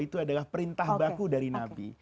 itu adalah perintah baku dari nabi